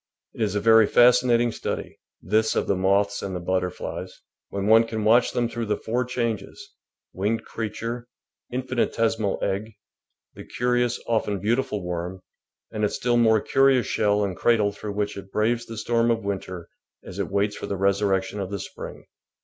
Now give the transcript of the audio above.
It is a very fascinating study — this of the moths and butterflies — when one can watch them through the four changes — winged creature, infinitesimal egg, the curious, often beautiful, worm, and its still more curious shell and cradle through which it braves the storm of winter as it waits for the resurrection of the spring.